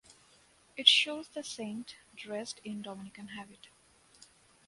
It shows the saint dressed in Dominican habit.